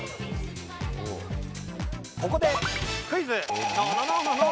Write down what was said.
ここでクイズ。